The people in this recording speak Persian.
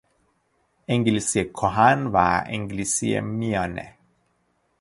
انگلیسی کهن و انگلیسی میانه